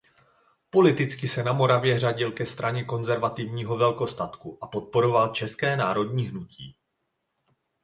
Politicky se na Moravě řadil ke Straně konzervativního velkostatku a podporoval české národní hnutí.